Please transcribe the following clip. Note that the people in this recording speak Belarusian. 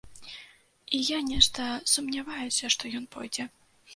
І я нешта сумняваюся, што ён пойдзе.